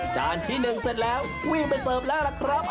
ที่๑เสร็จแล้ววิ่งไปเสิร์ฟแล้วล่ะครับ